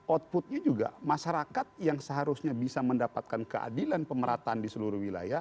outputnya juga masyarakat yang seharusnya bisa mendapatkan keadilan pemerataan di seluruh wilayah